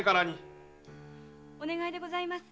・お願いでございます。